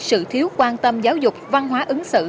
sự thiếu quan tâm giáo dục văn hóa ứng xử